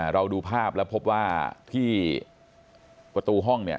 เราดูภาพแล้วพบว่าที่ประตูห้องเนี่ย